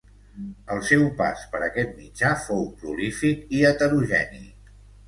El seu pas per aquest mitjà fou prolífic i heterogeni.